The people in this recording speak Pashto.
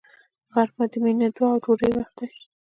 غرمه د مینې، دعا او ډوډۍ وخت دی